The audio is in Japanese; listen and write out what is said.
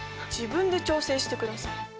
自分で調整してください。